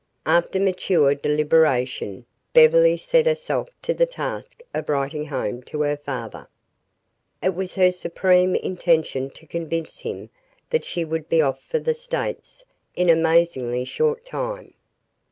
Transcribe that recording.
After mature deliberation Beverly set herself to the task of writing home to her father. It was her supreme intention to convince him that she would be off for the States in an amazingly short time.